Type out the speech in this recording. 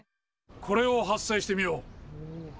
これを発声してみよう。